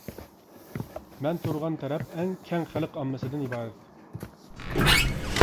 مەن تۇرغان تەرەپ ئەڭ كەڭ خەلق ئاممىسىدىن ئىبارەت.